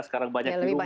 sekarang banyak di rumah